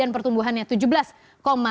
pertumbuhannya tujuh belas sembilan persen